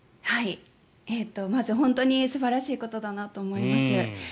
まず本当に素晴らしいことだなと思います。